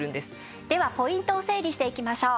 ではポイントを整理していきましょう。